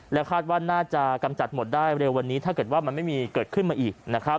คาดว่าน่าจะกำจัดหมดได้เร็ววันนี้ถ้าเกิดว่ามันไม่มีเกิดขึ้นมาอีกนะครับ